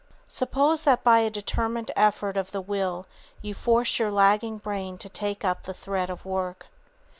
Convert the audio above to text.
Suppose that by a determined effort of the will you force your lagging brain to take up the thread of work.